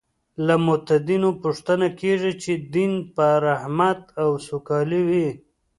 له متدینو پوښتنه کېږي چې دین به رحمت او سوکالي وي.